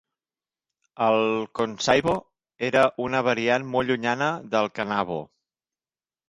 El 'konsaibo' era una variant molt llunyana del 'kanabo'.